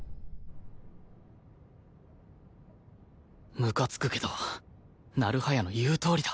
ムカつくけど成早の言うとおりだ